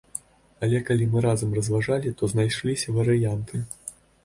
Але калі мы разам разважылі, то знайшліся варыянты.